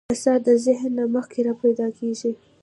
احساس د ذهن نه مخکې راپیدا کېږي.